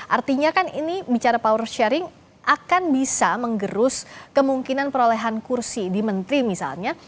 artinya kan ini bicara power sharing akan bisa menggerus kemungkinan perolehan kursi di menteri misalnya